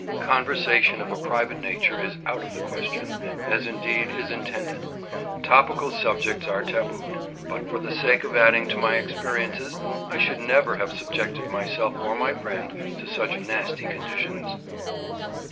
Conversation of a private nature is out of the question, as, indeed, is intended; topical subjects are tabooed, and but for the sake of adding to my experiences I should never have subjected myself or my friend to such nasty conditions.